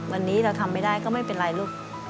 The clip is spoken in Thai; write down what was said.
วันนี้เราทำไม่ได้ก็ไม่เป็นไรลูก